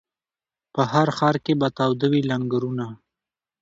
په هر ښار کي به تاوده وي لنګرونه